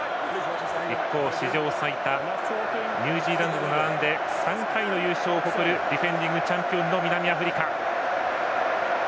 一方、史上最多ニュージーランドと並んで３回の優勝を誇るディフェンディングチャンピオン南アフリカ。